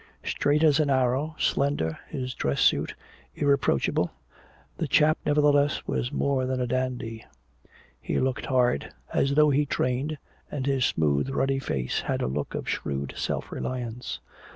Straight as an arrow, slender, his dress suit irreproachable, the chap nevertheless was more than a dandy. He looked hard, as though he trained, and his smooth and ruddy face had a look of shrewd self reliance.